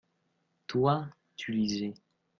toi, tu lisais.